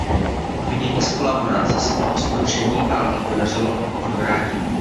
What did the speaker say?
Obvinění z kolaborace se mu po skončení války podařilo odvrátit.